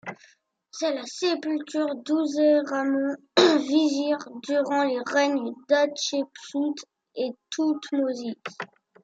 C'est la sépulture d'Ouseramon, vizir durant les règnes d'Hatchepsout et Thoutmôsis.